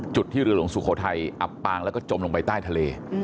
จุดที่เรือหลวงสุโขทัยอับปางแล้วก็จมลงไปใต้ทะเล